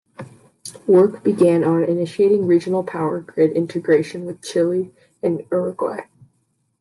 Work began on initiating regional power grid integration with Chile and Uruguay.